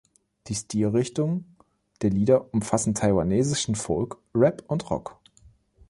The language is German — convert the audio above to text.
Die Stilrichtungen der Lieder umfassen taiwanesischen Folk, Rap und Rock.